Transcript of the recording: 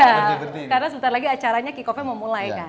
sudah apa namanya calling karena sebentar lagi acaranya kikope menunggu